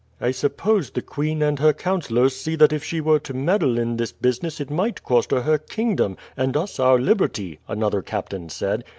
"I suppose the queen and her councillors see that if she were to meddle in this business it might cost her her kingdom, and us our liberty," another captain said.